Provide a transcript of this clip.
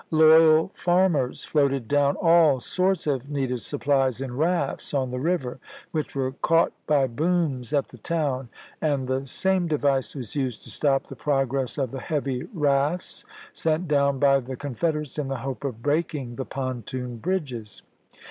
Loyal farmers floated down all sorts of needed supplies in rafts on the river, which were caught by booms at the town, and the same device was used to stop the progress of the heavy rafts sent down by the Con federates in the hope of breaking the pontoon bridges.